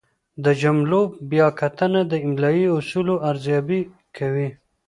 د جملو بیا کتنه د املايي اصولو ارزیابي کوي.